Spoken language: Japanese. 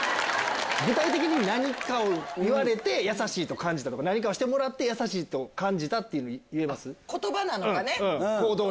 具体的に何かを言われて優しいと感じたとか何かをしてもらって優しいと感じたって言えます？